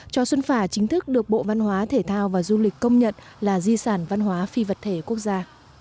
chùa xuân phả chính thức được bộ văn hóa thể thao và du lịch công nhận là di sản văn hóa phi vật thể quốc gia